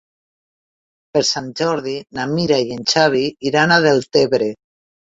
Per Sant Jordi na Mira i en Xavi iran a Deltebre.